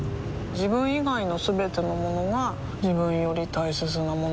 自分以外のすべてのものが自分より大切なものだと思いたい